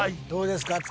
どうですか？